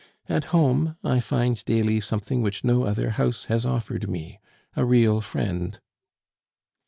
At home I find daily something which no other house has offered me a real friend."